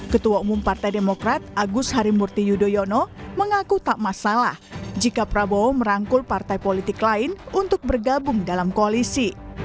ketua umum partai demokrat agus harimurti yudhoyono mengaku tak masalah jika prabowo merangkul partai politik lain untuk bergabung dalam koalisi